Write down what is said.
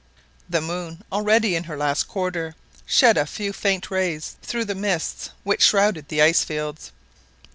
The moon, already in the last quarter, shed a few faint rays through the mists which shrouded the ice fields.